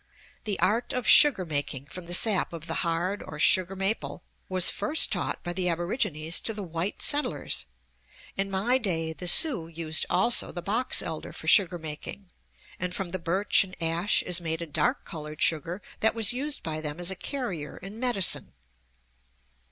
The art of sugar making from the sap of the hard or sugar maple was first taught by the aborigines to the white settlers. In my day the Sioux used also the box elder for sugar making, and from the birch and ash is made a dark colored sugar that was used by them as a carrier in medicine.